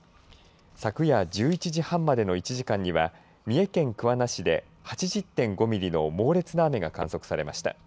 昨夜１１時半までの１時間には三重県桑名市で８０．５ミリの猛烈な雨が観測されました。